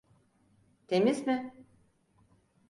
Temiz mi?